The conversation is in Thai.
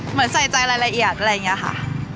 เหมือนใส่ใจรายละเอียดอะไรอย่างนี้ค่ะ